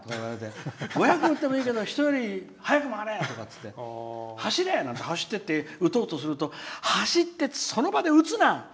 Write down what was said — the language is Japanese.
打ってもいいけど人より早く回れとかいって走っていって打とうとすると走って、その場で打つな！